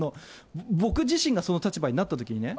僕自身がその立場になったときにね。